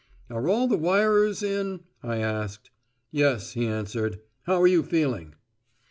"Are all the wirers in?" I asked. "Yes," he answered. "How are you feeling?"